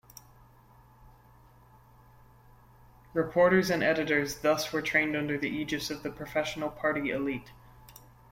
Reporters and editors thus were trained under the aegis of the professional party elite.